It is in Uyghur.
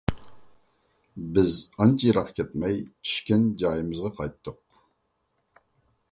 بىز ئانچە يىراق كەتمەي، چۈشكەن جايىمىزغا قايتتۇق.